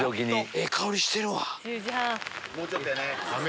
ええ香りしてるわ。